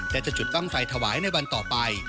และจะจุดบ้างไฟถวายในวันต่อไป